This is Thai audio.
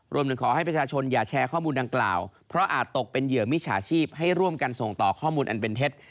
รวมถึงขอให้ประชาชนอย่าแชร์ข้อมูลดังกล่าวเพราะอาจตกเป็นเหยื่อมิจฉาชีพให้ร่วมกันส่งต่อข้อมูลอันเป็นเท็จ